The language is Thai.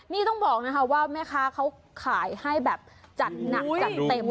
นี่ต้องบอกนะคะว่าแม่ค้าเขาขายให้แบบจัดหนักจัดเต็ม